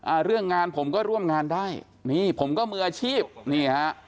อ่าเรื่องงานผมก็ร่วมงานได้นี่ผมก็มืออาชีพนี่ฮะ